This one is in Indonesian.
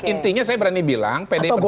intinya saya berani bilang pdi perjuangan